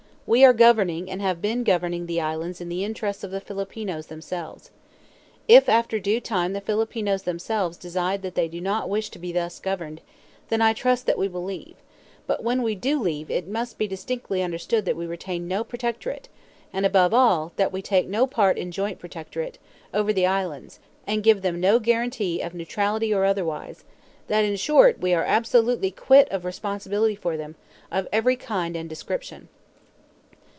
We are governing and have been governing the islands in the interests of the Filipinos themselves. If after due time the Filipinos themselves decide that they do not wish to be thus governed, then I trust that we will leave; but when we do leave it must be distinctly understood that we retain no protectorate and above all that we take part in no joint protectorate over the islands, and give them no guarantee, of neutrality or otherwise; that, in short, we are absolutely quit of responsibility for them, of every kind and description.